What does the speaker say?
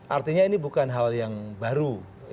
artinya ini bukan hal yang baru